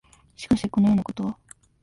しかし、このようなことは、